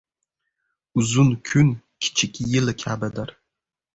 • Uzun kun kichik yil kabidir.